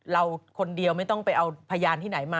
เราคนเดียวไม่ต้องไปเอาพยานที่ไหนมา